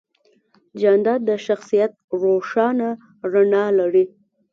جانداد د شخصیت روښانه رڼا لري.